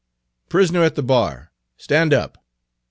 "Prisoner at the bar, stand up."